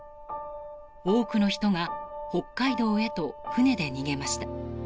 多くの人が北海道へと船で逃げました。